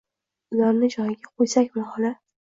Ularni joyiga qo’ysakmi, xola.